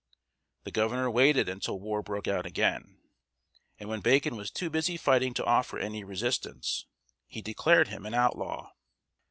The governor waited until war broke out again, and when Bacon was too busy fighting to offer any resistance, he declared him an outlaw.